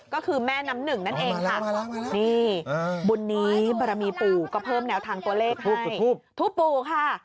ก็คือแม่น้ำหนึ่งนั่นเองค่ะนี่บุญนี้บารมีปู่ก็เพิ่มแนวทางตัวเลขให้ทูบปู่ค่ะ